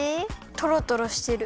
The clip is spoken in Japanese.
トロトロしてる。